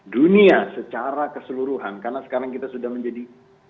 dunia secara keseluruhan karena sekarang kita sudah menjadi